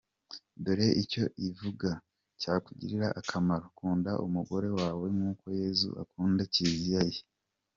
Dore icyo ivuga cyakugirira akamaro: Kunda umugore wawe nk’uko Yezu akunda Kiriziya ye.